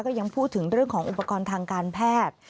ยังพูดถึงเรื่องของอุปกรณ์ทางการแพทย์